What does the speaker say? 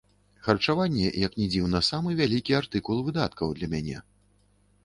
Харчаванне, як ні дзіўна, самы вялікі артыкул выдаткаў для мяне.